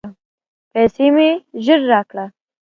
پیسې مي ژر راکړه !